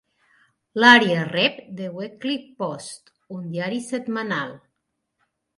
L'àrea rep "The Weekly Post", un diari setmanal.